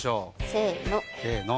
せの。